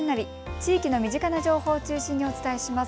地域の身近な情報を中心にお伝えします。